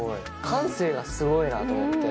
感性がすごいなと思って。